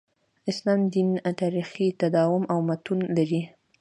اسلام دین تاریخي تداوم او متون لري.